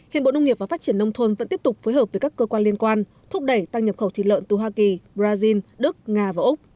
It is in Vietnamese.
hiện bộ nông nghiệp và phát triển nông thôn vẫn tiếp tục phối hợp với các cơ quan liên quan thúc đẩy tăng nhập khẩu thịt lợn từ hoa kỳ brazil đức nga và úc